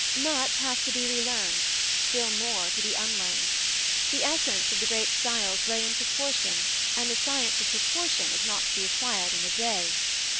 Much has to be relearned, still more to be unlearned. The essence of the great styles lay in proportion and the science of proportion is not to be acquired in a day.